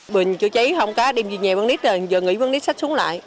bình chữa cháy không có đem về nhà bán nít rồi giờ nghỉ bán nít sách xuống lại